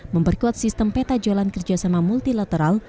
memperkuat sistem peta jalan kerjasama multilateral